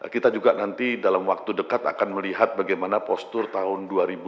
kita juga nanti dalam waktu dekat akan melihat bagaimana postur tahun dua ribu dua puluh